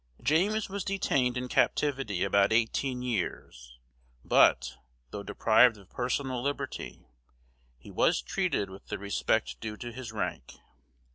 James was detained in captivity above eighteen years; but, though deprived of personal liberty, he was treated with the respect due to his rank.